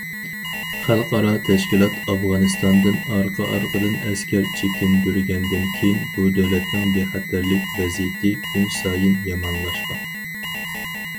خەلقئارا تەشكىلات ئافغانىستاندىن ئارقا- ئارقىدىن ئەسكەر چېكىندۈرگەندىن كېيىن، بۇ دۆلەتنىڭ بىخەتەرلىك ۋەزىيىتى كۈنسايىن يامانلاشقان.